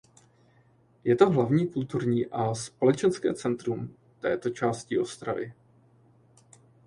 Je to hlavní kulturní a společenské centrum této části Ostravy.